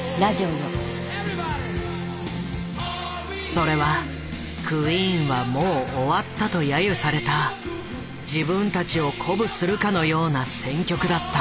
それは「クイーンはもう終わった」と揶揄された自分たちを鼓舞するかのような選曲だった。